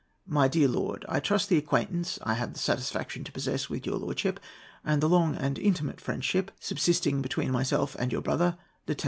My dear Lord,—I trust the acquaintance I have the satisfaction to possess with your lordship, and the long and intimate friendship subsisting between myself and your brother, Lieut.